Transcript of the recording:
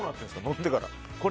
乗ってからは。